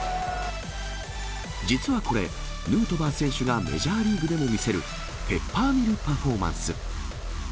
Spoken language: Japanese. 実はこれ、ヌートバー選手がメジャーリーグでも見せるペッパーミルパフォーマンス。